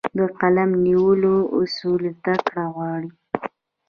د قلم نیولو اصول زده کړه غواړي.